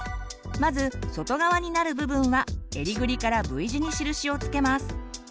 まず外側になる部分は襟ぐりからＶ字に印を付けます。